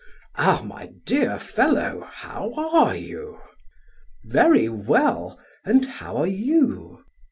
"Ah, my dear fellow, how are you?" "Very well. And how are you?"